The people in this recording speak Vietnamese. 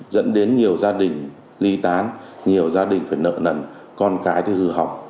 dẫn đến nhiều gia đình ly tán nhiều gia đình phải nợ nần con cái thì hư hỏng